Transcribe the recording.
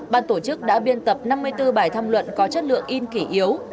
ban tổ chức đã biên tập năm mươi bốn bài thăm luận có chất lượng in kỷ yếu